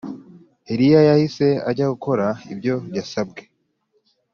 Eliya yahise ajya gukora ibyo yasabwe.